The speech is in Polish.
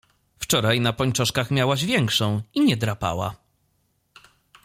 Wczoraj na pończoszkach miałaś większą i nie drapała.